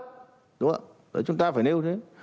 đúng không ạ đấy chúng ta phải nêu thế